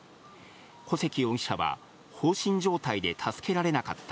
小関容疑者は、放心状態で助けられなかった。